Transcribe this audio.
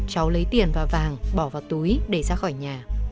cháu lấy tiền và vàng bỏ vào túi để ra khỏi nhà